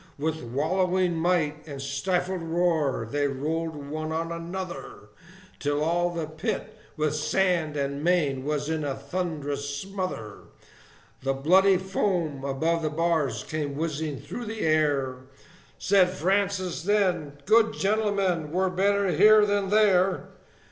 With wallowing might and stifled roar, they rolled one on another, Till all the pit, with sand and mane, was in a thunderous smother; The bloody foam above the bars came whizzing through the air; Said Francis, then, "Good gentlemen, we're better here than there!"